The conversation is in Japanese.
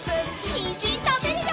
にんじんたべるよ！